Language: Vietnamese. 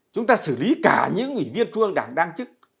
chúng ta xử lý cả những ủy viên chuông đảng đang chức